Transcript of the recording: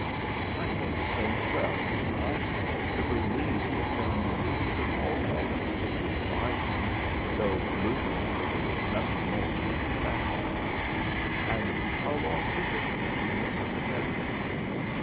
'I know the stones well,' said I; 'the Burmese will sell you rubies of all colours if you will buy them, though the blue variety is nothing more than the sapphire. And how long is it since you missed the pendant?'